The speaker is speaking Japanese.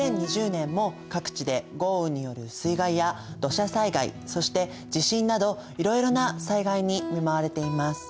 ２０２０年も各地で豪雨による水害や土砂災害そして地震などいろいろな災害に見舞われています。